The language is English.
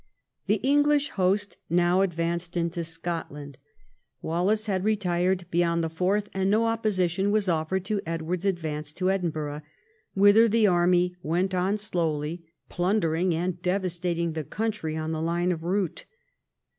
The En<dish host now advanced into Scotland. XII THE CONQUEST OF SCOTLAND 205 Wallace had retired beyond the Forth, and no opposi tion was offered to Edward's advance to Edinburgh, whither the army went on slowly, plundering and devas tating the country on the line of route.